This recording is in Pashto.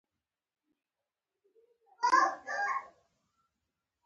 په اتلسمه پېړۍ کې د هند له مغولو سیاسي قدرت ووت.